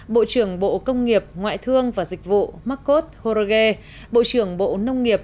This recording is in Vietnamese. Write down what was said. bộ trưởng bộ công nghiệp ngoại thương và dịch vụ marcos jorge bộ trưởng bộ nông nghiệp